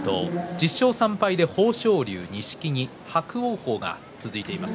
１０勝３敗で豊昇龍、錦木伯桜鵬が続いています。